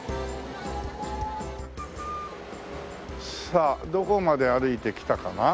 さあどこまで歩いて来たかな？